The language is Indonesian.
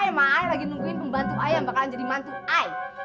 saya sama saya lagi nungguin pembantu saya yang bakalan jadi mantu saya